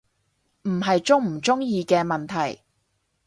唔係鍾唔鍾意嘅問題